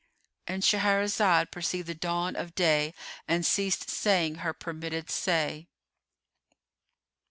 ——And Shahrazad perceived the dawn of day and ceased saying her permitted say.